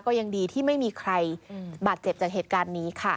ยังดีที่ไม่มีใครบาดเจ็บจากเหตุการณ์นี้ค่ะ